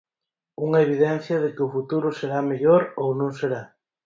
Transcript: Unha evidencia de que o futuro será mellor ou non será.